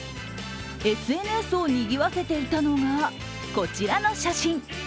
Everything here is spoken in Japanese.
ＳＮＳをにぎわせていたのが、こちらの写真。